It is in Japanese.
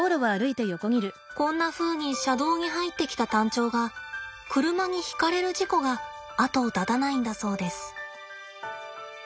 こんなふうに車道に入ってきたタンチョウが車にひかれる事故が後を絶たないんだそうです。